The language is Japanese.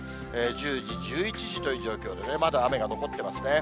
１０時、１１時という状況で、まだ雨が残ってますね。